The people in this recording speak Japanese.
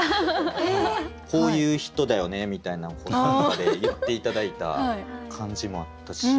こういう人だよねみたいなんを短歌で言って頂いた感じもあったし